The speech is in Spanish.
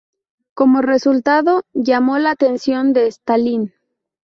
Como resultado llamó la atención de Stalin.